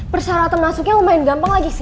persyaratan masuknya lumayan gampang lagi sih